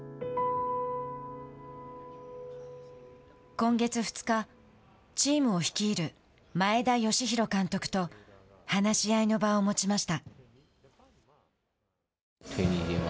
今月２日チームを率いる前田佳宏監督と話し合いの場を持ちました。